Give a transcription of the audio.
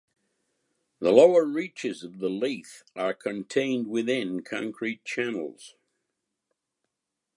The lower reaches of the Leith are contained within concrete channels.